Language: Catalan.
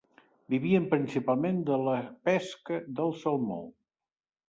Vivien principalment de la pesca del salmó.